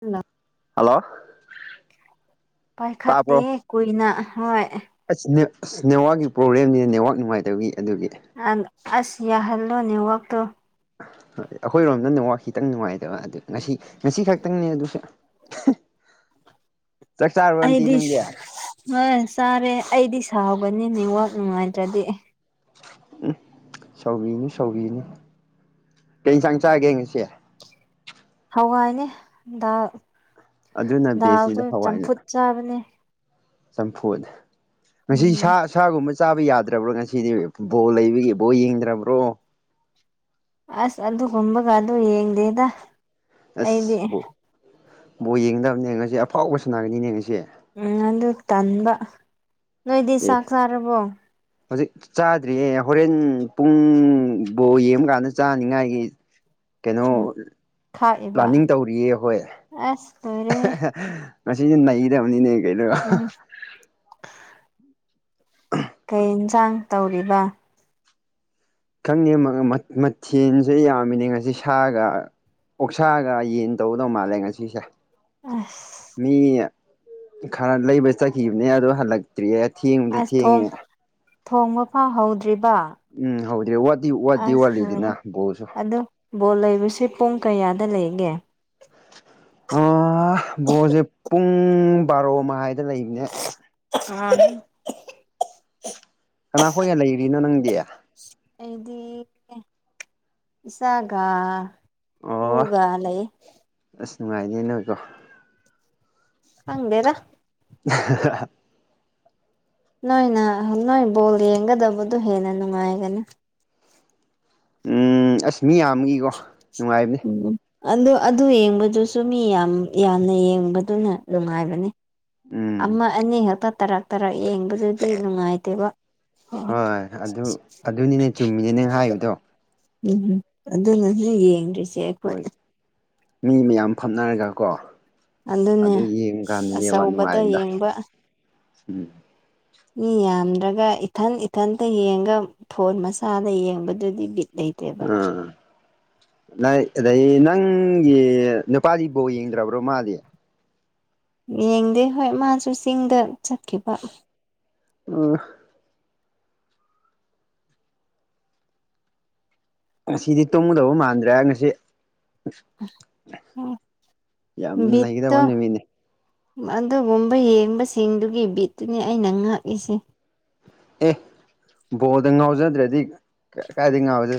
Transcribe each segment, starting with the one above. ꯎ ꯍꯜꯂꯣ ꯄꯥꯏꯈꯠꯇꯦ ꯇꯥꯕ꯭ꯔꯣ ꯀꯨꯏꯅ ꯍꯣꯏ ꯑꯁ ꯑꯁ ꯅꯦꯠꯋꯥꯛꯀꯤ ꯄ꯭ꯔꯣꯕ꯭ꯂꯦꯝꯅꯤ ꯅꯦꯠꯋꯥꯛ ꯅꯨꯡꯉꯥꯏꯇꯕꯒꯤ ꯑꯗꯨꯒꯤ ꯑꯁ ꯌꯥ ꯍꯜꯂꯣꯅꯦ ꯋꯥꯛ ꯣꯏ ꯑꯩꯈꯣꯏꯔꯣꯝꯗꯅꯦ ꯋꯥ ꯈꯤꯇꯪ ꯅꯨꯡꯉꯥꯏꯗꯕ ꯑꯗꯨ ꯉꯁꯤ ꯉꯁꯤ ꯈꯛꯇꯪꯅꯦ ꯑꯗꯨꯁꯨ ꯆꯥꯛ ꯆꯥꯔꯕꯣ ꯑꯟꯇꯤ ꯑꯗꯤ ꯅꯪꯗꯤ ꯍꯣꯏ ꯁꯔꯦ ꯑꯗꯤ ꯁꯥꯎꯒꯅꯤ ꯅꯤꯡꯋꯥꯛ ꯅꯨꯡꯉꯥꯏꯇ꯭ꯔꯗꯤ ꯑꯦ ꯎ ꯁꯥꯎꯤꯅꯤ ꯁꯥꯎꯤꯅꯤ ꯀ ꯏꯟꯁꯥꯡ ꯆꯥꯒꯦꯡ ꯉꯁꯤꯦ ꯍꯋꯥꯏꯅꯦ ꯗꯥꯜ ꯑꯗꯨꯅ ꯕꯦꯁꯅꯤꯗ ꯗꯥꯜꯗꯨꯣ ꯆꯝꯐꯨꯠ ꯆꯥꯕꯅꯦ ꯆꯝꯐꯨꯅꯤ ꯉꯁꯤ ꯎꯝ ꯁꯥ ꯁꯥꯒꯨꯝꯕ ꯆꯥꯕ ꯌꯥꯗ꯭ꯔꯕ꯭ꯔꯣ ꯉꯁꯤꯗꯤ ꯕꯣ ꯂꯩꯕꯒꯤ ꯕꯣ ꯌꯦꯡꯗ꯭ꯔꯕ꯭ꯔꯣ ꯑꯁ ꯑꯗꯨꯒꯨꯝꯕꯒ ꯑꯗꯨ ꯌꯦꯡꯗꯦꯗ ꯑꯩꯗꯤ ꯑꯁ ꯕꯣ ꯕꯣ ꯌꯦꯡꯒꯗꯕꯅꯦ ꯉꯁꯦ ꯑꯐꯥꯎꯕ ꯁꯥꯟꯅꯥꯒꯅꯤꯅꯦ ꯉꯁꯦ ꯎꯝ ꯑꯗꯨ ꯇꯟꯕ ꯅꯣꯏꯗꯤ ꯆꯥꯛ ꯆꯥꯔꯕꯣ ꯍꯧꯖꯤꯛ ꯆꯥꯗ꯭ꯔꯤꯌꯦ ꯍꯣꯔꯦꯟ ꯄꯨꯡꯕꯨꯧ ꯌꯦꯡꯕꯀꯥꯟꯗ ꯆꯥꯅꯤꯡꯉꯥꯏꯒꯤ ꯀꯩꯅꯣ ꯎꯝ ꯈꯥꯛꯏꯕ ꯄ꯭ꯂꯥꯅꯤꯡ ꯇꯧꯔꯤꯌꯦ ꯍꯣꯏ ꯑꯁ ꯂꯣꯏꯔꯦꯍꯦ ꯅꯗ ꯑꯃꯅꯤꯅꯤꯅꯦ ꯀꯩꯗ ꯎꯝ ꯀꯩ ꯑꯦꯟꯁꯥꯡ ꯇꯧꯔꯤꯕ ꯈꯪꯉꯦ ꯃꯊꯦꯜꯁꯦ ꯌꯥꯝꯃꯤꯅꯦ ꯉꯁꯤ ꯁꯥꯒ ꯑꯣꯛꯁꯥꯒ ꯌꯦꯟ ꯇꯧꯒꯗꯧ ꯃꯥꯜꯂꯦ ꯉꯁꯤꯁꯦ ꯑꯁ ꯃꯤ ꯈꯔ ꯂꯩꯕ ꯆꯠꯈꯤꯕꯅꯦ ꯑꯣ ꯍꯜꯂꯛ ꯠꯇꯔꯤ ꯊꯦꯡꯡꯗꯤ ꯑꯁ ꯊꯦꯡ ꯊꯣꯡ ꯊꯣꯡꯕ ꯐꯪꯍꯧꯗ꯭ꯔꯤꯕ ꯎꯝ ꯍꯧꯗ꯭ꯔꯤ ꯋꯥꯠꯇꯤ ꯋꯥꯠꯇꯤ ꯑꯁ ꯂꯩꯔꯦ ꯋꯥꯠꯂꯤꯗꯅ ꯕꯣꯜꯁꯨ ꯑ ꯕꯣꯜ ꯂꯩꯕꯁꯦ ꯄꯨꯡ ꯀꯌꯥꯗ ꯂꯩꯒꯦ ꯑ ꯣꯁꯦ ꯄꯨꯡ ꯔꯣ ꯃꯥꯏ ꯑꯗꯨ ꯂꯩꯅꯦ ꯑ ꯀꯅꯥꯈꯣꯏꯒ ꯂꯩꯔꯤꯅꯣ ꯅꯪꯗꯤ ꯑꯩꯗꯤ ꯁꯥꯥꯒꯥ ꯀꯒ ꯂꯩ ꯅꯨꯡꯉꯥꯏꯅꯤ ꯅꯣꯏꯀꯣ ꯍꯪꯗꯦꯗꯥ [inaudible] ꯅꯣꯏꯅ ꯅꯣꯏ ꯕꯣꯜ ꯌꯦꯡꯒꯗꯕꯗꯨꯣ ꯍꯦꯟꯅ ꯅꯨꯡꯉꯥꯏꯒꯅꯤ ꯎꯝ ꯑꯁ ꯃꯤ ꯌꯥꯝ ꯑꯃꯒꯤꯒꯤꯀꯣ ꯎꯝ ꯑꯗꯨ ꯑꯗꯨ ꯌꯦꯡꯕꯗꯨꯁꯨ ꯃꯤ ꯌꯥꯝ ꯌꯥꯝꯅ ꯌꯦꯡꯕꯗꯨꯅ ꯅꯨꯡꯉꯥꯏꯕꯅꯤ ꯎꯝ ꯑꯃ ꯑꯅꯤ ꯈꯛꯇ ꯇꯔꯛ ꯇꯔꯛ ꯌꯦꯡꯕꯗꯨꯗꯤ ꯅꯨꯡꯉꯥꯏꯇꯦꯕ ꯑ ꯍꯣꯏ ꯑꯗꯨ ꯑꯗꯨꯅꯤꯅꯦ ꯆꯨꯝꯃꯤꯅꯦ ꯅꯪ ꯍꯥꯏꯕꯗꯣ ꯎꯝꯝ ꯑꯗꯨꯅꯁꯨꯖꯤꯛ ꯌꯦꯡꯗ꯭ꯔꯤꯁꯦ ꯑꯩꯈꯣꯏ ꯍꯣꯏ ꯃꯤ ꯃꯌꯥꯝ ꯐꯝꯅꯔꯒ ꯀꯣ ꯑꯗꯨꯅꯦ ꯑꯆꯧꯕꯗ ꯅꯨꯡꯉꯥꯏꯔꯤꯗꯣ ꯌꯦꯡꯕ ꯎꯝ ꯃꯤ ꯌꯥꯝꯗ꯭ꯔꯒ ꯏꯊꯟ ꯏꯊꯟꯇ ꯌꯦꯡꯉ ꯐꯣꯟ ꯃꯆꯥꯗ ꯌꯦꯡꯕꯗꯨꯗꯤ ꯕꯤꯠ ꯂꯩꯇꯦꯕ ꯑ ꯅꯪꯒꯤ ꯅꯨꯄꯥꯗꯤ ꯕꯣ ꯌꯦꯡꯗ꯭ꯔꯕ꯭ꯔꯣ ꯃꯥꯗꯤ ꯌꯦꯡꯗꯦ ꯍꯣꯏ ꯃꯥꯁꯨ ꯆꯤꯡꯗ ꯆꯠꯈꯤꯕ ꯑ ꯉꯁꯤꯗꯤ ꯇꯣꯡꯉꯨꯗꯕ ꯃꯥꯟꯗ꯭ꯔꯦ ꯉꯁꯤ [unintelligible] ꯌꯥꯝ [unintelligible] ꯅꯩꯒꯗꯕ ꯕꯤꯠꯇꫭ ꯅꯨꯃꯤꯠꯅꯤ ꯑꯗꯨꯒꯨꯝꯕ ꯌꯦꯡꯕꯁꯤꯡꯗꯨꯒꯤ ꯕꯤꯠꯇꯨꯅꯤ ꯑꯩꯅ ꯉꯥꯛꯏꯁꯦ ꯑꯦ ꯕꯣꯜꯗ ꯉꯥꯎꯖꯗ꯭ꯔꯗꯤ ꯀꯥꯏꯗꯒꯤ ꯉꯥꯎꯕꯗ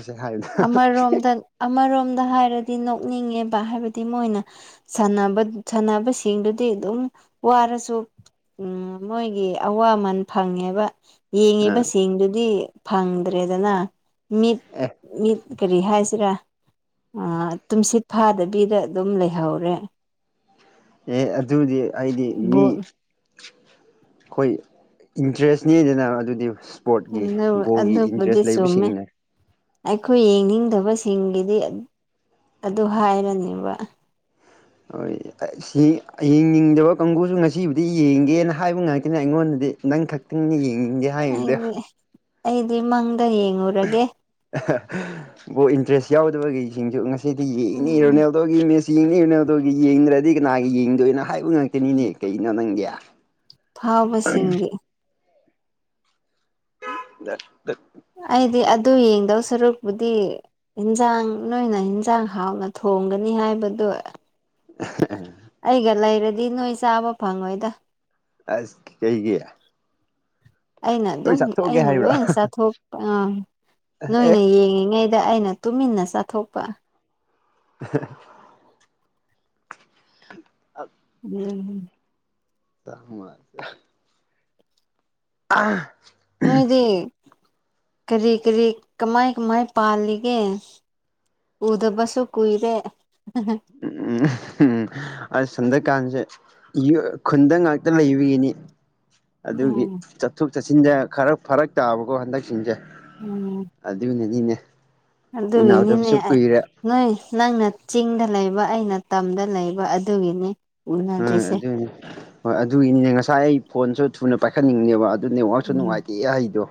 ꯑꯃꯔ ꯔꯣꯝꯗꯥꯟ ꯑꯃꯔ ꯁꯗ ꯍꯥꯏꯔꯗꯤ ꯅꯣꯛꯅꯤꯡꯉꯦꯕ ꯍꯥꯏꯕꯗꯤ ꯃꯣꯏꯅ ꯁꯅꯕ ꯁꯥꯟꯅꯕꯁꯤꯡꯗꯨꯗꯤ ꯑꯗꯨꯝ ꯋꯥꯔꯁꯨ ꯎ ꯃꯣꯏꯒꯤ ꯑꯋꯥꯃꯟ ꯐꯪꯉꯦꯕ ꯌꯦꯡꯉꯤꯕ ꯑꯥ ꯁꯤꯡꯗꯨꯗꯤ ꯐꯪꯗ꯭ꯔꯦꯗꯅ ꯃꯤꯠ ꯑꯦ ꯃꯤ ꯀꯔꯤ ꯍꯥꯏꯁꯤꯔꯥ ꯇꯨꯝꯁꯤꯠ ꯐꯥꯗꯕꯤꯗ ꯑꯗꯨꯝ ꯂꯩꯍꯧꯔꯦ ꯑꯦ ꯑꯗꯨꯗꯤ ꯑꯩꯗꯤ ꯃꯤ ꯕꯣꯜ ꯑꯩꯈꯣꯏ ꯏꯟꯇꯔꯦꯁꯅꯦꯗꯅ ꯑꯗꯨꯗꯤ ꯏꯁꯄꯣꯔꯠꯀꯤ ꯕꯣꯜꯒꯤ ꯑꯗꯨꯕꯨꯗꯤ ꯏꯟꯇꯔꯦꯁ ꯆꯨꯝꯃꯦ ꯂꯩꯕꯁꯤꯡꯅꯦ ꯑꯩꯈꯣꯏ ꯌꯦꯡꯅꯤꯡꯗꯕꯁꯤꯡꯒꯤꯗꯤ ꯑꯗꯨ ꯍꯥꯏꯔꯅꯦꯕ ꯍꯣꯏꯡꯅꯤꯡꯗꯕ ꯀꯥꯡꯕꯨꯨꯁꯨ ꯉꯁꯤꯕꯨꯗꯤ ꯌꯦꯡꯒꯦꯅ ꯍꯥꯏꯕ ꯉꯥꯛꯇꯅꯤ ꯑꯩꯉꯣꯟꯗ ꯑꯗꯨꯗꯤ ꯅꯪ ꯈꯛꯇꯤꯡꯅꯦ ꯌꯦꯡꯅꯤꯡꯒꯦ ꯍꯥꯏꯔꯤꯗ ꯑꯩ ꯑꯩꯗꯤ ꯃꯪ ꯏꯟꯇꯔꯦꯁ ꯌꯥꯎꯗꯕꯒꯤꯩꯁꯤꯡꯁꯨ ꯉ ꯁꯤꯗꯤ ꯌꯦꯡꯅꯤ ꯎꯝ ꯔꯣꯅꯦꯜꯗꯣꯒꯤ ꯃꯦꯠꯁ ꯌꯦꯡꯅꯤ ꯔꯣꯅꯦꯜꯗꯣꯒꯤ ꯌꯦꯡꯗ꯭ꯔꯗꯤ ꯀꯅꯥꯒꯤ ꯌꯦꯡꯗꯣꯏꯅꯣ ꯍꯥꯏꯕ ꯉꯥꯛꯇꯅꯤꯅꯦ ꯀꯩꯅꯣ ꯅꯪꯒꯤ ꯐꯕꯁꯤꯡꯒꯤꯦ ꯗꯔ ꯑꯩꯗꯤ ꯑꯗꯨ ꯑꯗꯨ ꯌꯦꯡꯗꯧ ꯁꯔꯨꯛꯄꯨꯗꯤ ꯌꯦꯟꯖꯥꯡ ꯅꯣꯏꯅ ꯌꯦꯟꯖꯥꯡ ꯍꯥꯎꯅ ꯊꯣꯡꯒꯅꯤ ꯍꯥꯏꯕꯗꯨ [unintelligible] [unintelligible] ꯑꯩꯒ ꯂꯩꯔꯗꯤ ꯅꯣꯏ ꯆꯥꯕ ꯐꯪꯉꯣꯏꯗ ꯑꯁ ꯀꯩ ꯀ ꯑꯩꯅ ꯑꯗꯨꯝ ꯑꯩꯅ ꯂꯣꯏ ꯆꯥꯊꯣꯛꯄ ꯑꯥ ꯑꯦ ꯅꯣꯏꯅ ꯌꯦꯡꯉꯤꯉꯩꯗ ꯗ ꯑꯩꯅ ꯇꯨꯃꯤꯟꯅ ꯆꯥꯊꯣꯛꯄ [unintelligible] ꯍ ꯎꯝ ꯁꯃꯦ ꯑ ꯎꯗꯤ ꯀꯔꯤ ꯀꯔꯤ ꯀꯃꯥꯏ ꯀꯃꯥꯏ ꯄꯥꯜꯂꯤꯒꯦ ꯎꯗꯕꯁꯨ ꯀꯨꯏꯗꯦ ꯎ ꯎꯝ ꯎꯝ ꯑ ꯆꯟꯗ꯭ꯔꯀꯥꯟꯁꯦ ꯈꯨꯟꯗ ꯉꯥꯛꯇ ꯂꯩꯕꯒꯤꯅꯤ ꯑꯗꯨꯒꯤ ꯎꯝ ꯆꯠꯊꯣꯛ ꯆꯠꯁꯤꯟꯗ ꯈꯔ ꯐꯔꯛ ꯇꯥꯕꯀꯣ ꯍꯟꯗꯛꯁꯤꯡꯁꯦ ꯎꯝ ꯑꯗꯨꯅꯅꯤꯅꯦ ꯑꯗꯨꯒꯤꯅꯤꯅꯦ ꯎꯅꯗꯕꯁꯨ ꯀꯨꯏꯔꯦ ꯅꯣꯏ ꯅꯪꯅ ꯆꯤꯡꯗ ꯂꯩꯕ ꯑꯩꯅ ꯇꯝꯗ ꯂꯩꯕ ꯑꯗꯨꯒꯤꯅꯤ ꯑ ꯎꯅꯗ꯭ꯔꯤꯁꯦ ꯑꯗꯨꯅꯤ ꯍꯣꯏ ꯑꯗꯨꯒꯤꯅꯤꯅꯦ ꯉꯁꯥꯏ ꯑꯩ ꯐꯣꯟꯁꯨ ꯊꯨꯅ ꯄꯥꯏꯈꯠꯅꯤꯡꯉꯅꯦꯕ ꯑꯗꯨ ꯅꯦꯠꯋꯥꯛꯁꯨ ꯅꯨꯡꯉꯥꯏꯇꯦ ꯏ ꯍꯩꯗꯣ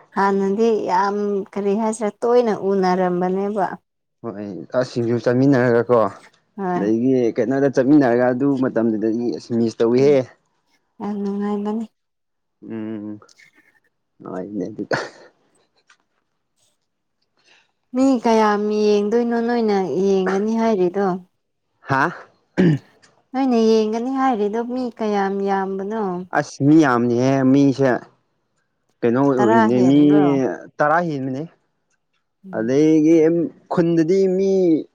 ꯁꯤꯗꯤ ꯌꯥꯝ ꯀꯔꯤ ꯍꯥꯏꯁꯤꯔꯦ ꯇꯣꯏꯅ ꯎꯅꯔꯝꯕꯅꯦꯕ ꯍꯣꯏ ꯑꯁꯁꯤꯡꯁꯨ ꯆꯥꯃꯤꯟꯅꯔꯒꯀꯣ ꯍꯣꯏ ꯑꯗꯒꯤ ꯀꯩꯅꯣꯗ ꯆꯠꯃꯤꯟꯅꯔꯒ ꯑꯗꯨ ꯃꯇꯝꯗꯨꯗꯗꯤ ꯑꯁ ꯃꯤꯁ ꯎꯝ ꯇꯧꯋꯤꯍꯦ ꯑꯉꯥꯏꯗꯅꯤ [unintelligible] ꯑ ꯏꯅ ꯃꯤ ꯀꯌꯥꯝ ꯌꯦꯡꯗꯣꯏꯅꯣ ꯅꯣꯏꯅ ꯌꯦꯡꯒꯅꯤ ꯍꯥꯏꯔꯤꯗꯣ ꯍꯥꯥ ꯅꯣꯏꯅ ꯌꯦꯡꯒꯅꯤ ꯍꯥꯏꯔꯤꯗꯣ ꯃꯤ ꯀꯌꯥꯝ ꯌꯥꯝꯕꯅ ꯑꯁ ꯃꯤ ꯌꯥꯝꯅꯤꯍꯦ ꯃꯤꯁꯦ ꯀꯩꯅꯣ ꯇꯔꯥ ꯑꯣꯏꯅꯦ ꯃꯤ ꯍꯦꯟꯕ꯭ꯔꯣ ꯇꯔꯥ ꯍꯦꯟꯕꯅꯦ ꯎꯝ ꯑꯗꯒꯤ ꯈꯨꯟꯗꯗꯤ ꯃꯤ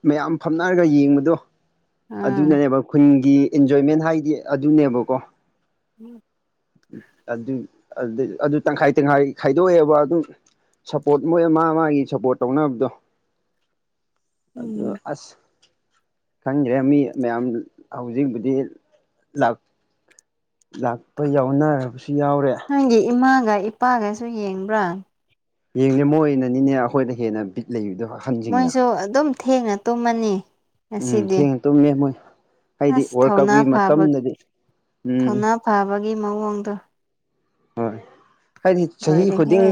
ꯃꯌꯥꯝ ꯐꯝꯅꯔꯒ ꯌꯦꯡꯕꯗꯣ ꯑꯥ ꯑꯗꯨꯅꯅꯦꯕ ꯈꯨꯟꯒꯤ ꯑꯦꯟꯖꯣꯏꯃꯦꯟ ꯍꯥꯏꯗꯤ ꯑꯗꯨꯅꯦꯕꯀꯣ ꯎꯝ ꯑꯗꯨ ꯑꯗꯨ ꯇꯪꯈꯥꯏ ꯇꯪꯈꯥꯏ ꯈꯥꯏꯗꯣꯛꯑꯦꯕ ꯑꯗꯨꯝ ꯁꯞꯄꯣꯔꯠ ꯃꯣꯏ ꯑꯃ ꯃꯥꯒꯤ ꯁꯞꯄꯣꯔꯠ ꯇꯧꯅꯕꯗꯣ [unintelligible] ꯑꯗꯨꯗꯣ ꯎꯝ ꯑꯁ ꯈꯪꯈ꯭ꯔꯦ ꯃꯤ ꯃꯌꯥꯝ ꯍꯧꯖꯤꯛꯕꯨꯗꯤ ꯂ ꯂꯥꯛꯄ ꯌꯥꯎꯅꯔꯕꯁꯦ ꯅꯪꯒꯤ ꯏꯃꯥꯒ ꯏꯄꯥꯒꯁꯨ ꯌꯦꯡꯕ꯭ꯔꯥ ꯌꯦꯡꯁꯦ ꯃꯣꯏꯅꯅꯤꯅꯦ ꯑꯩꯈꯣꯏꯅ ꯍꯦꯟꯅ ꯕꯤꯠ ꯂꯩꯕꯗꯣ ꯑꯍꯟꯁꯤꯡꯅ ꯃꯣꯏꯁꯨ ꯑꯗꯨꯝ ꯊꯦꯡꯅ ꯇꯨꯝꯃꯅꯤ ꯎꯝ ꯉꯁꯤꯗꯤ ꯊ ꯇꯣꯏ ꯍꯥꯏꯗꯤ ꯑꯁ ꯋꯥꯔꯜ ꯊꯧꯅꯥ ꯀꯞꯀꯤ ꯐꯕ ꯃꯇꯝꯗꯗꯤ ꯎꯝ ꯊꯧꯅꯥ ꯐꯕꯒꯤ ꯃꯑꯣꯡꯗꯣ ꯍꯣꯏ ꯍꯥꯏꯗꯤ ꯆꯍꯤ ꯂꯣꯏꯔꯦꯍꯦ ꯈꯨꯗꯤꯡ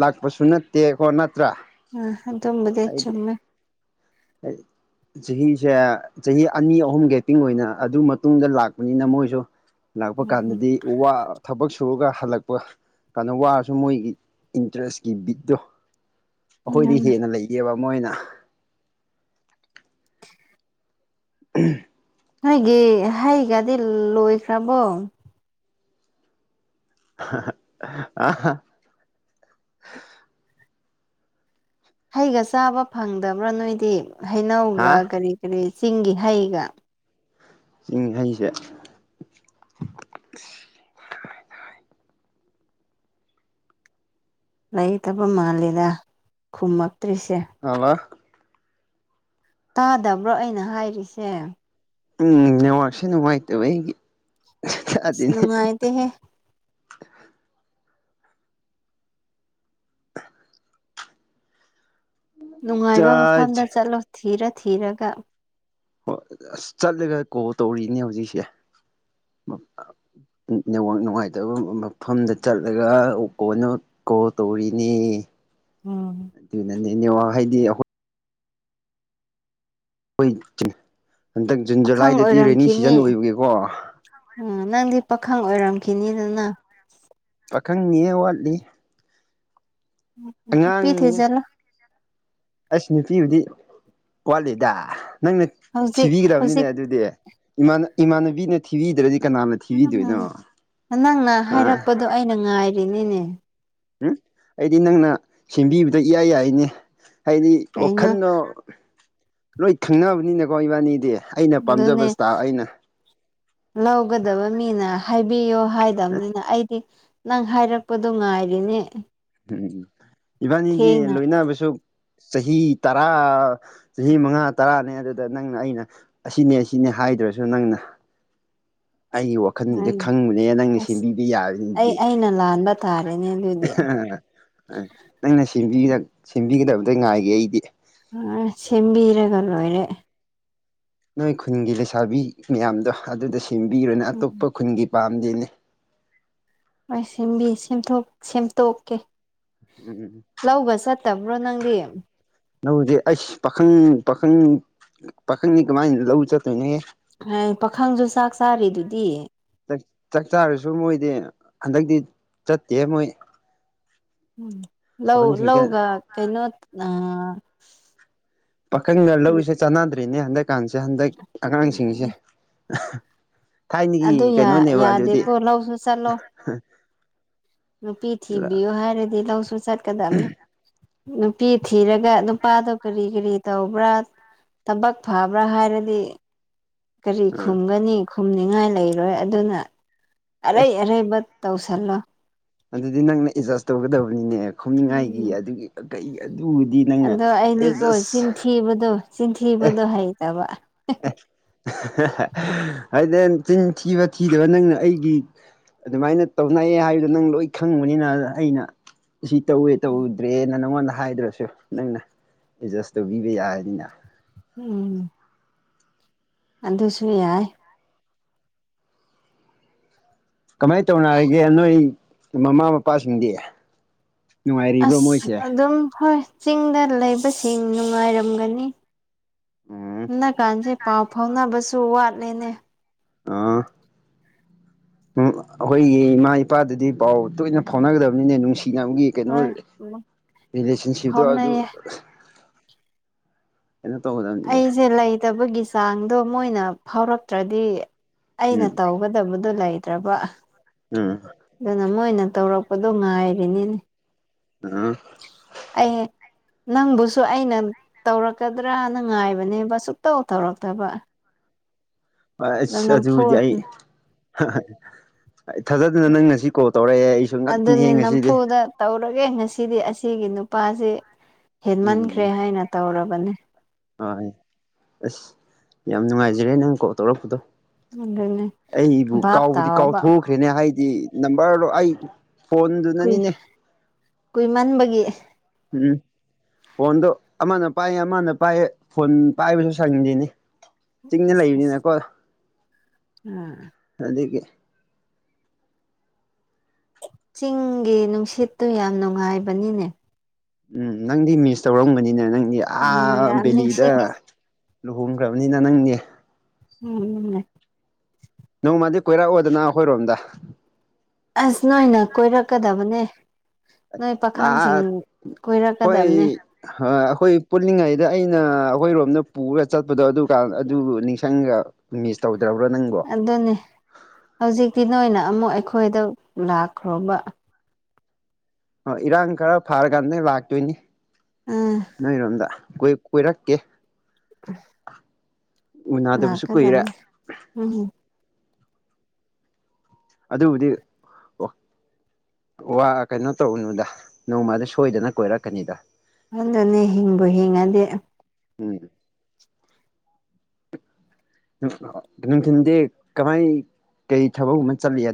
ꯂꯥꯛꯄꯁꯨ ꯅꯠꯇꯦꯀꯣ ꯅꯠꯇ꯭ꯔꯥ ꯑ ꯑꯗꯨꯝꯕꯗꯤ ꯆꯨꯝꯃꯦ ꯍꯥꯏ ꯆꯍꯤꯁꯦ ꯆꯍꯤ ꯑꯅꯤ ꯑꯍꯨꯝ ꯒꯦꯄꯤꯡ ꯑꯣꯏꯅ ꯑꯗꯨ ꯃꯇꯨꯡꯗ ꯂꯥꯛꯄꯅꯤꯅ ꯃꯣꯏꯁꯨ ꯂꯥꯛꯄ ꯎꯝ ꯀꯥꯟꯗꯗꯤ ꯎ ꯋꯥ ꯊꯕꯛ ꯁꯨꯔꯒ ꯍꯜꯂꯛꯄ ꯀꯩꯅꯣ ꯋꯥꯔꯁꯨ ꯃꯣꯏꯒꯤ ꯏꯟꯇꯔꯦꯁꯀꯤ ꯕꯤꯠꯇꯣ ꯑꯩꯈꯣꯏꯗꯤ ꯍꯦꯟꯅ ꯂꯩꯒꯦꯕ ꯃꯣꯏꯅ ꯎꯝ ꯅꯣꯏꯒꯤ ꯍꯥꯏꯒꯗꯤ ꯂꯣꯏꯈ꯭ꯔꯕꯣ ꯑ ꯍꯩꯒ ꯆꯥꯕ ꯐꯪꯗꯕ꯭ꯔꯥ ꯅꯣꯏꯗꯤ ꯍꯩꯅꯧꯒ ꯍꯥ ꯀꯔꯤ ꯀꯔꯤ ꯁꯤꯡꯒꯤꯒꯤ ꯍꯩꯒ ꯆꯤꯡ ꯍꯩꯁꯦ ꯂꯩꯇꯕ ꯃꯥꯜꯂꯤꯗ ꯈꯨꯃꯛ ꯍꯂ ꯇꯥꯗꯕ꯭ꯔꯣ ꯑꯩꯅ ꯍꯥꯏꯔꯤꯁꯦ ꯎꯝ ꯅꯦꯋꯔꯥꯛꯁꯤ ꯅꯨꯡꯉꯥꯏꯇꯕ ꯑꯩꯒꯤ ꯇꯥꯗꯦꯅꯦ ꯅꯨꯅꯨꯡꯃꯥꯏꯗ ꯍ ꯅꯨꯡꯉꯥꯏꯕ ꯃꯐꯝꯗ ꯆꯥꯏꯁ ꯆꯠꯂꯣ ꯊꯤꯔ ꯊꯤꯔꯒ ꯍꯣꯏ ꯑꯁ ꯆꯠꯂꯒ ꯀꯣꯜ ꯇꯧꯔꯤꯅꯦ ꯍꯧꯖꯤꯛꯁꯦ ꯅꯃꯛ ꯅꯨꯡꯉꯥꯏꯇꯕ ꯃꯐꯝꯗ ꯆꯠꯂꯒ ꯀꯣꯅ ꯀꯣ ꯇꯧꯔꯤꯅꯦ ꯎꯝ ꯑꯗꯨꯅꯅꯦꯅꯦ ꯍꯥꯏꯗꯤ ꯑꯩꯈꯣꯏ ꯑꯩꯈꯣꯏ ꯍꯟꯗꯛ ꯖꯨꯟ ꯄꯥꯈꯪ ꯖꯨꯂꯥꯏꯗꯗꯤ ꯔꯦꯅꯤ ꯑꯣꯏꯔꯝꯈꯤꯅꯤ ꯁꯤꯖꯟ ꯑꯣꯏꯕꯒꯦꯀꯣ ꯎꯝ ꯅꯪꯗꯤ ꯄꯥꯈꯪ ꯑꯣꯏꯔꯝꯈꯤꯅꯤꯗꯅ ꯈꯪꯉꯌꯦ ꯋꯥꯠꯂꯤ ꯄꯤ ꯑꯉꯥꯡꯅꯤꯌꯦ ꯊꯖꯂ ꯑꯁ ꯅꯨꯄꯤꯕꯨꯗꯤ ꯋꯥꯠꯂꯤꯗ ꯅꯪꯅ ꯍꯧꯖꯤꯛ ꯊꯤꯕꯤꯈ꯭ꯔꯕꯅꯤꯅꯦ ꯍꯧꯖꯤꯛ ꯑꯗꯨꯗꯤ ꯏꯃꯥꯟꯅꯕꯤꯅ ꯊꯤꯕꯤꯗ꯭ꯔꯗꯤ ꯀꯅꯥꯅ ꯊꯤꯕꯤꯗꯣꯏꯅꯣ ꯅꯪꯅ ꯑꯥ ꯍꯥꯏꯔꯛꯄꯗꯣ ꯑꯩꯅ ꯉꯥꯏꯔꯤꯅꯤꯅꯦ ꯎꯝ ꯑꯩꯗꯤ ꯅꯪꯅ ꯁꯦꯝꯕꯤꯕꯗ ꯏꯌꯥꯏ ꯌꯥꯏꯅꯦ ꯍꯥꯏꯗꯤ ꯀꯩꯅꯣ ꯋꯥꯈꯜꯗꯣ ꯂꯣꯏ ꯊꯪꯅꯕꯅꯤꯅꯀꯣ ꯏꯕꯥꯅꯤꯗꯤ ꯑꯩꯅ ꯄꯥꯝꯖꯕ ꯑꯗꯨꯅꯦ ꯏꯁꯇꯥꯏꯜ ꯑꯩꯅ ꯂꯧꯒꯗꯕ ꯃꯤꯅ ꯍꯥꯏꯕꯤꯌꯣ ꯍꯥꯏꯗꯕꯅꯤꯅ ꯑꯩꯗꯤ ꯅꯪ ꯍꯥꯏꯔꯛꯄꯗꯣ ꯉꯥꯏꯔꯤꯅꯦ ꯎꯝ ꯎꯝ ꯏꯕꯥꯅꯤꯗꯤ ꯊꯦꯡꯅ ꯂꯣꯏꯅꯕꯁꯨ ꯆꯍꯤ ꯇꯔꯥ ꯆꯍꯤ ꯃꯉꯥ ꯇꯔꯥꯅꯦ ꯑꯗꯨꯗ ꯅꯪ ꯑꯩꯅ ꯑꯁꯤꯅꯦ ꯑꯁꯤꯅꯦ ꯍꯥꯏ ꯍꯥꯏꯗ꯭ꯔꯁꯨ ꯅꯪꯅ ꯑꯩꯒꯤ ꯋꯥꯈꯜꯗꯨꯗ ꯍꯥꯏꯅꯦ ꯈꯪꯕꯅꯦ ꯅꯪꯅ ꯑꯁ ꯁꯦꯝꯕꯤꯕ ꯑꯩ ꯌꯥꯕꯗꯤ ꯑꯩꯅ ꯂꯥꯟꯕ ꯇꯥꯔꯦꯅꯦ ꯑꯗꯨꯗꯤ ꯅꯪꯅ ꯁꯦꯝꯕꯤꯒꯗꯕꯗ ꯉꯥꯏꯒꯦ ꯑꯩꯗꯤ ꯑ ꯁꯦꯝꯕꯤꯔꯒ ꯂꯣꯏꯔꯦ ꯅꯣꯏ ꯈꯨꯟꯒꯤ ꯂꯩꯁꯥꯕꯤ ꯃꯌꯥꯝꯗꯣ ꯑꯗꯨꯗ ꯁꯦꯝꯕꯤꯔꯨꯅ ꯎꯝ ꯑꯇꯣꯞꯄ ꯈꯨꯟꯒꯤ ꯄꯥꯝꯗꯤꯅꯤ ꯑꯩ ꯁꯦꯝꯕꯤ ꯁꯦꯝ ꯁꯦꯝꯗꯣꯛꯀꯦ ꯎꯝ ꯂꯧꯕ ꯆꯠꯇꯕ꯭ꯔꯣ ꯅꯪꯗꯤ ꯂꯧꯁꯦ ꯑꯩꯁ ꯄꯥꯈꯪ ꯄꯥꯈꯪ ꯄꯥꯈꯪꯅꯤ ꯀꯃꯥꯏꯅ ꯂꯧ ꯆꯠꯇꯣꯏꯅꯣꯍ ꯍꯥꯏ ꯄꯥꯈꯪꯁꯨ ꯆꯥꯛ ꯆꯥꯔꯤꯗꯨꯗꯤ ꯆꯥꯛ ꯆꯥꯔꯁꯨ ꯃꯣꯏꯗꯤ ꯍꯟꯗꯛꯇꯤ ꯆꯠꯇꯦ ꯃꯣꯏ ꯎꯝ ꯂꯧ ꯄꯥꯈꯪꯁꯤꯡꯁꯦ ꯂꯧꯒ ꯀꯩꯅꯣ ꯑ ꯄꯥꯈꯪꯅ ꯂꯧꯔꯤꯁꯦ ꯆꯥꯟꯅꯗ꯭ꯔꯤꯅꯦ ꯍꯟꯗꯛꯀꯥꯟꯁꯦ ꯍꯟꯗꯛ ꯑꯉꯥꯡꯁꯤꯡꯁꯦ ꯊꯥꯏꯅꯒꯤ ꯑꯗꯨ ꯌꯥ ꯀꯩꯅꯣꯅꯦꯕ ꯑꯗꯨꯗꯤ ꯌꯥꯗꯦꯀꯣ ꯂꯧꯁꯨ ꯆꯠꯂꯣ ꯅꯨꯄꯤ ꯊꯤꯕꯤꯌꯨ ꯍꯥꯏꯔꯗꯤ ꯂꯧꯁꯨ ꯆꯠꯀꯗꯕꯅꯦ ꯅꯨꯄꯤ ꯊꯤꯔꯒ ꯅꯨꯄꯥꯗꯣ ꯀꯔꯤ ꯀꯔꯤ ꯇꯧꯕ꯭ꯔꯥ ꯊꯕꯛ ꯐꯕ꯭ꯔꯥ ꯍꯥꯏꯔꯗꯤ ꯀꯔꯤ ꯎꯝ ꯈꯨꯝꯒꯅꯤ ꯈꯨꯝꯅꯤꯡꯉꯥꯏ ꯂꯩꯔꯣꯏ ꯑꯗꯨꯅ ꯑꯔꯩ ꯑꯔꯩꯕ ꯇꯧꯁꯤ ꯆꯜꯂ ꯑꯗꯨꯗꯤ ꯅꯪꯅ ꯑꯦꯗꯖꯥꯁ ꯇꯧꯒꯗꯕꯅꯤꯅꯦ ꯈꯣꯅꯤꯡꯉꯥꯏꯒꯤ ꯎꯝ ꯑꯗꯨꯒꯤ ꯀꯩ ꯑꯗꯨꯕꯨꯗꯤ ꯅꯪꯅ ꯑꯗꯣ ꯑꯩꯗꯤꯀꯣ ꯑꯦꯖꯁ ꯆꯤꯟꯊꯤꯕꯗꯣ ꯑꯦ ꯆꯤꯟꯊꯤꯕꯗꯣ ꯍꯩꯇꯕ ꯍꯥꯏꯗꯤ ꯆꯤꯟ ꯊꯤꯕ ꯊꯤꯗꯕ ꯅꯪꯅ ꯑꯩꯒꯤ ꯑꯗꯨꯃꯥꯏꯅ ꯇꯧꯅꯩꯌꯦ ꯍꯥꯏꯕꯗꯣ ꯅꯪ ꯂꯣꯏ ꯈꯪꯕꯅꯤꯅ ꯑꯩꯅ ꯁꯤ ꯇꯧꯋꯦ ꯇꯧꯗ꯭ꯔꯦ ꯅꯅꯉꯣꯟ ꯅ ꯍꯥꯏꯗ꯭ꯔꯁꯨ ꯅꯪꯅ ꯑꯦꯗꯖꯁ ꯇꯧꯕꯤꯕ ꯌꯥꯔꯅꯤꯅ ꯎꯝ ꯑꯗꯨꯁꯨ ꯌꯥꯏ ꯀꯃꯥꯏꯅ ꯇꯧꯅꯔꯤꯒꯦ ꯅꯣꯏ ꯃꯃꯥ ꯃꯄꯥꯁꯤꯡꯗꯤ ꯅꯨꯡꯉꯥꯏꯔꯤꯕ꯭ꯔꯣ ꯑꯁ ꯃꯣꯏꯁꯦ ꯑꯗꯨꯝ ꯍꯣꯏ ꯆꯤꯡꯗ ꯂꯩꯕꯁꯤꯡ ꯅꯨꯡꯉꯥꯏꯔꯝꯒꯅꯤ ꯎꯝ ꯅꯅꯥ ꯀꯥꯟꯁꯦ ꯄꯥꯎ ꯐꯥꯎꯅꯕꯁꯨ ꯋꯥꯠꯂꯦꯅꯦ ꯑꯥ ꯎꯝ ꯑꯩꯈꯣꯏꯒꯤ ꯏꯃꯥ ꯏꯄꯥꯗꯨꯗꯤ ꯄꯥꯎ ꯇꯣꯏꯅ ꯐꯥꯎꯅꯒꯗꯕꯅꯤꯅꯦ ꯅꯨꯡꯁꯤ ꯐꯒꯤ ꯀꯩꯅꯣ ꯍꯣꯏ ꯔꯤꯂꯦꯁꯟꯁꯤꯞꯇꯣ ꯑꯗꯨ ꯐꯥꯎꯅꯩꯌꯦ ꯀꯩꯅꯣ ꯇꯧꯒꯗꯕꯅꯤꯅꯦ ꯑꯩꯁꯦ ꯂꯩꯇꯕꯒꯤ ꯆꯥꯡꯗꯣ ꯃꯣꯏꯅ ꯐꯥꯎꯔꯛꯇ꯭ꯔꯗꯤ ꯑꯩꯅ ꯎꯝ ꯇꯧꯒꯗꯕꯗꯨꯣ ꯂꯩꯇ꯭ꯔꯕ ꯎꯝ ꯑꯗꯨꯅ ꯃꯣꯏꯅ ꯇꯧꯔꯛꯄꯗꯣ ꯉꯥꯏꯔꯤꯅꯤꯅꯦ ꯑ ꯑꯩ ꯅꯪꯕꯨꯁꯨ ꯑꯩꯅ ꯇꯧꯔꯛꯀꯗ꯭ꯔꯥꯅꯅꯨꯡꯉꯥꯏꯕꯅꯦꯕꯁꯨꯛꯇꯧ ꯇꯧꯔꯛꯇꯕ ꯁ ꯑꯗꯨ ꯌꯥꯏ ꯑꯩ ꯊꯥꯖꯗꯅ ꯅꯪ ꯉꯁꯤ ꯀꯣꯜ ꯇꯧꯔꯛꯑꯦ ꯑꯩꯁꯨ ꯉꯈꯤꯅ ꯍꯦ ꯉꯁꯤꯗꯤ ꯁꯤꯗꯤ ꯑꯁꯤꯒꯤ ꯅꯨꯄꯥꯁꯤ ꯍꯦꯟꯃꯟꯈ꯭ꯔꯦ ꯎꯝ ꯍꯥꯏꯅ ꯇꯧꯔꯕꯅꯤ ꯍꯣꯏ ꯑꯁ ꯌꯥꯝ ꯅꯨꯡꯉꯥꯏꯖꯔꯦ ꯅꯪ ꯀꯣꯜ ꯇꯧꯔꯛꯄꯗꯣ ꯑꯗꯨꯅꯦ ꯑꯩꯕꯨ ꯚꯥꯞ ꯀꯥꯎꯕꯗꯤ ꯇꯥꯎꯕ ꯀꯥꯎꯊꯣꯛꯈ꯭ꯔꯦꯅꯦ ꯍꯥꯏ ꯅꯝꯕꯔꯗꯣ ꯑꯩ ꯐꯣꯟꯗꯨꯅꯅꯤꯅꯦ ꯀꯨꯏꯃꯟꯥꯟꯕꯒꯤ ꯎꯝ ꯐꯣꯟꯗꯣ ꯑꯃꯅ ꯄꯥꯏꯌꯦ ꯑꯃꯅ ꯄꯥꯏꯌꯦ ꯐꯣꯟ ꯄꯥꯏꯕꯁꯨ ꯁꯪꯁꯤꯅꯤ ꯆꯤꯡꯅ ꯑꯁ ꯑꯁ ꯂꯩꯕꯅꯤꯅꯀꯣ ꯑꯥ ꯑꯗꯒꯤ ꯆꯤꯡꯒꯤ ꯅꯨꯡꯁꯤꯠꯇꯨ ꯌꯥꯝ ꯅꯨꯡꯉꯥꯏꯕꯅꯤꯅꯦ ꯎꯝ ꯅꯪꯗꯤ ꯃꯤꯁ ꯇꯧꯔꯝꯒꯅꯤꯅꯦ ꯅꯪꯗꯤ ꯑꯥ ꯌꯥꯝ ꯕꯦꯂꯤꯗ ꯅꯤꯡꯁꯤꯡꯉꯦ ꯂꯨꯍꯣꯡꯈ꯭ꯔꯕꯅꯤꯅ ꯅꯪꯅꯦ ꯎꯝ ꯎ ꯅꯣꯡꯃꯗꯤ ꯀꯣꯏꯔꯛꯑꯣꯗꯅ ꯑꯩꯈꯣꯏꯔꯣꯝꯗ ꯆꯛꯀꯗꯕꯅꯦ ꯅꯣꯏ ꯄꯥꯈꯪꯁꯤꯡ ꯑꯥ ꯀꯣꯏꯔꯛꯀꯗꯕꯅꯦ ꯍꯣꯏ ꯑꯩꯈꯣꯏ ꯄꯨꯜꯂꯤꯉꯩꯗ ꯑꯩꯅ ꯑꯩꯈꯣꯏꯔꯣꯝꯗ ꯄꯨꯔꯒ ꯆꯠꯄꯗꯣ ꯑꯗꯨꯀꯥꯟ ꯑꯗꯨ ꯅꯤꯡꯁꯤꯡꯒ ꯃꯤꯁ ꯇꯧꯋ ꯑꯗꯨꯅꯦ ꯍꯧꯖꯤꯛꯇꯤ ꯅꯣꯏꯅ ꯑꯃꯨꯛ ꯑꯩꯈꯣꯏꯗ ꯂꯥꯛꯈ꯭ꯔꯣꯕ ꯑꯣ ꯏꯔꯥꯡ ꯈꯔ ꯐꯔꯀꯥꯟꯗ ꯂꯥꯛꯇꯣꯏꯅꯤ ꯑꯥ ꯅꯣꯏꯔꯣꯝꯗ ꯀꯣꯏ ꯀꯣꯏꯔꯛꯀꯦ ꯎ ꯎꯅꯗꯕꯁꯨ ꯀꯨꯏꯔꯦ ꯎꯝ ꯑꯗꯨꯕꯨꯗꯤ ꯑꯣ ꯋꯥ ꯀꯩꯅꯣ ꯇꯧꯅꯨꯗ ꯅꯣꯡꯃꯗ ꯁꯣꯏꯗꯅ ꯀꯣꯏꯔꯛꯀꯅꯤꯗ ꯑꯗꯨꯅꯦ ꯍꯤꯡꯕ ꯍꯤꯡꯉꯗꯤ ꯎꯝ ꯅꯨꯡꯊꯤꯟꯗꯤ ꯀꯃꯥꯏ ꯀꯩ ꯊꯕꯛꯨꯝ ꯑꯃ ꯆꯠꯂꯤ